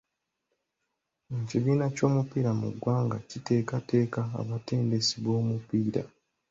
Ekibiina ky'omupiira mu ggwanga kiteekateka abatendesi b'omupiira.